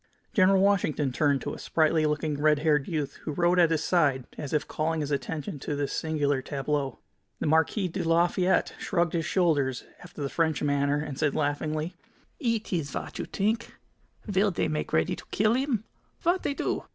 General Washington turned to a sprightly looking, red haired youth who rode at his side, as if calling his attention to this singular tableau. The Marquis de Lafayette shrugged his shoulders after the French manner, and said, laughingly: "It ees vat you t'ink? Vill they make ready to kill 'im? Vat they do?"